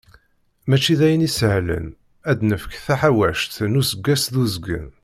Mačči d ayen isehlen, ad d-nefk taḥawact n useggas d uzgen.